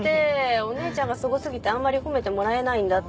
お姉ちゃんがすご過ぎてあんまり褒めてもらえないんだって。